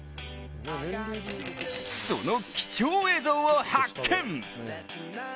その貴重映像を発見！